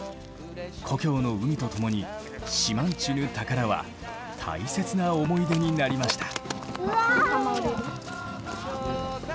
故郷の海と共に「島人ぬ宝」は大切な思い出になりました。